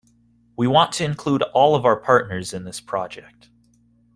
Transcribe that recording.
We want to include all of our partners in this project.